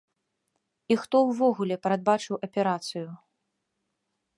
І хто ўвогуле прадбачыў аперацыю?